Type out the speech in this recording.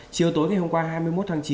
chiều tối ngày hôm qua hai mươi một tháng chín